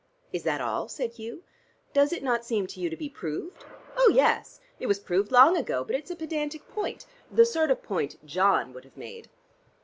"Is that all?" said Hugh. "Does it not seem to you to be proved?" "Oh, yes. It was proved long ago. But it's a pedantic point. The sort of point John would have made."